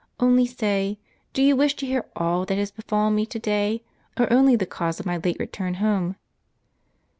Only say, do you wish to hear all that has befallen me to day, or only the cause of my late return home?"